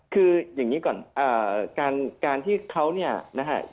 คืออย่างนี้ก่อนการที่เขาเนี่ยนะฮะ